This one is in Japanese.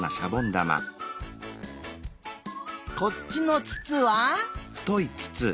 こっちのつつは？